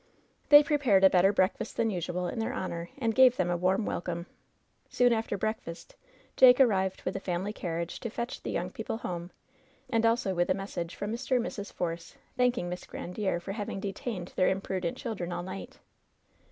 They prepared a better breakfast than usual in their honor, and gave them a warm welcome. Soon after breakfast, Jake arrived with the family carriage to fetch the young people home, and also with a message from Mr. and Mrs. Force, thanking Miss Gran diere for having detained their imprudent children all night.